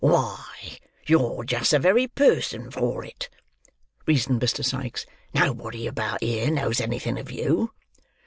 "Why, you're just the very person for it," reasoned Mr. Sikes: "nobody about here knows anything of you."